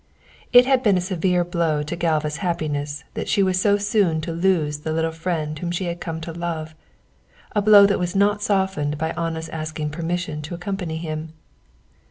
It had been a severe blow to Galva's happiness that she was so soon to lose the little friend whom she had come to love a blow that was not softened by Anna's asking permission to accompany him.